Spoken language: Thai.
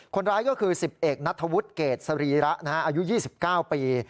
คนร้ายก็คือ๑๐เอกนัทธวุฒิเกรดสรีระอายุ๒๙ปี